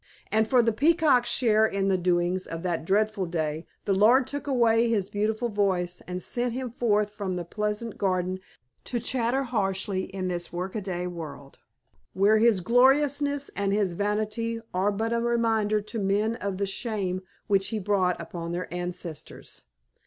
And for the Peacock's share in the doings of that dreadful day the Lord took away his beautiful voice and sent him forth from the pleasant garden to chatter harshly in this workaday world, where his gorgeousness and his vanity are but a reminder to men of the shame which he brought upon their ancestors.